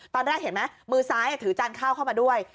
ตอนแรกเห็นไหมมือซ้ายถือจานข้าวเข้ามาด้วย